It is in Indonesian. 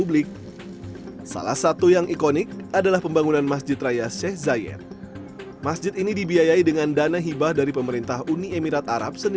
lalu proyek api